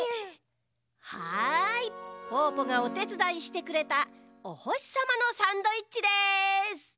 はいぽぅぽがおてつだいしてくれたおほしさまのサンドイッチです！